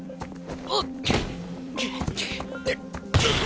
あっ！